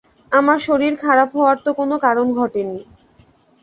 আমার শরীর খারাপ হওয়ার তো কোনো কারণ ঘটে নি!